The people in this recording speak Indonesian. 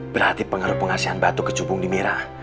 berarti pengaruh pengasian batu kecubung di merah